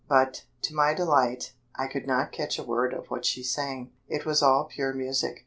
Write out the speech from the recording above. But, to my delight, I could not catch a word of what she sang. It was all pure music.